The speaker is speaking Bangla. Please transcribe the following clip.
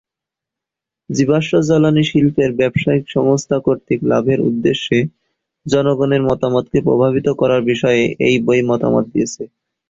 জীবাশ্ম জ্বালানী শিল্পের ব্যবসায়িক সংস্থা কর্তৃক লাভের উদ্দেশ্যে জনগণের মতামতকে প্রভাবিত করার বিষয়ে এই বই মতামত দিয়েছে।